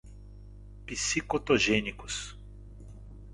psicotogênicos